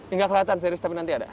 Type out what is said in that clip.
ini gak kelihatan serius tapi nanti ada